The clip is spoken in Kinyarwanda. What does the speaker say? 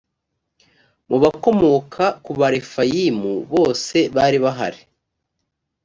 mu bakomoka ku barefayimu bose bari bahari.